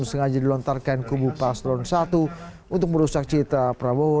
sengaja dilontarkan kubu paslon satu untuk merusak citra prabowo